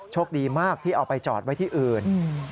โชคดีมากที่เอาไปจอดไว้ที่อื่น